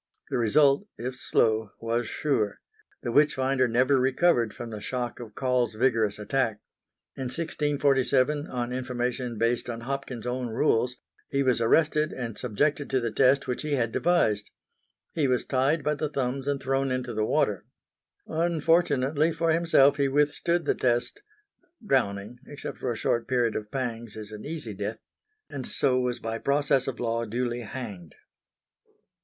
The result, if slow, was sure. The witch finder never recovered from the shock of Caule's vigorous attack. In 1647, on information based on Hopkins' own rules, he was arrested and subjected to the test which he had devised: he was tied by the thumbs and thrown into the water. Unfortunately for himself he withstood the test drowning, except for a short period of pangs, is an easy death and so was by process of Law duly hanged.